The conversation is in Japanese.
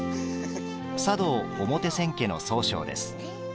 茶道・表千家の宗匠です。